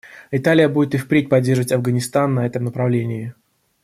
Италия будет и впредь поддерживать Афганистан на этом направлении.